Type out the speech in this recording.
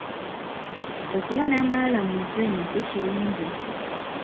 Okuba n’amalala mu nsi eno si kirungi.